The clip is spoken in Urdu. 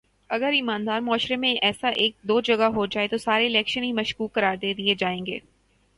اگر ایماندار معاشرے میں ایسا ایک دو جگہ ہو جائے تو سارے الیکشن ہی مشکوک قرار دے دیئے جائیں گے